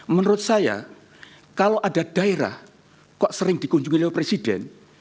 menurut saya kalau ada daerah kok sering dikunjungi oleh presiden